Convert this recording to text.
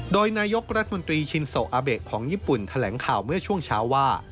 โดยนายกรัฐมนตรีชินโซอาเบะของญี่ปุ่นแถลงข่าวเมื่อช่วงเช้าว่า